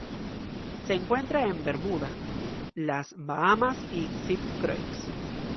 Se encuentra en Bermuda, las Bahamas y St.. Croix.